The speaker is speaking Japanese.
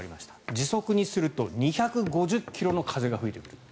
時速にすると２５０ｋｍの風が吹いている。